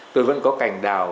tôi vẫn có cành đào